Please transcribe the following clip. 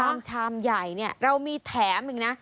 ชามใหญ่เนี่ยเรามีแถมอีกนะ